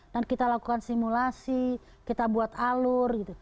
dan kita lakukan simulasi kita buat alur gitu